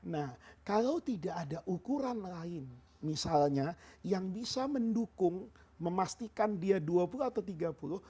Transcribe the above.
nah kalau tidak ada ukuran lain misalnya yang bisa mendukung memastikan dia dua puluh atau tiga puluh